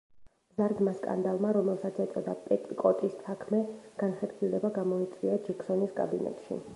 მზარდმა სკანდალმა, რომელსაც ეწოდა „პეტიკოტის საქმე“, განხეთქილება გამოიწვია ჯექსონის კაბინეტში.